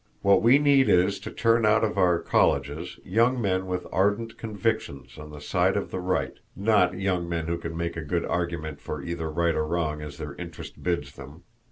What we need is to turn out of our colleges young men with ardent convictions on the side of the right; not young men who can make a good argument for either right or wrong as their interest bids them.